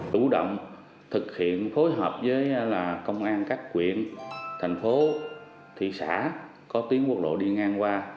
tự động thực hiện phối hợp với công an các quyện thành phố thị xã có tuyến quốc lộ đi ngang qua